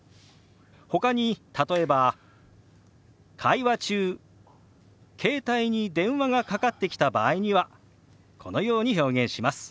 ほかに例えば会話中携帯に電話がかかってきた場合にはこのように表現します。